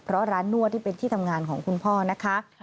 เพราะร้านนวดที่เป็นที่ทำงานของคุณพ่อนะคะ